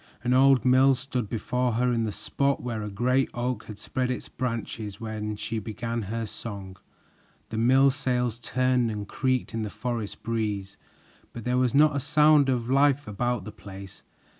An old mill stood before her in the spot where a great oak had spread its branches when she began her song! The mill sails turned and creaked in the forest breeze, but there was not a sound of life about the place.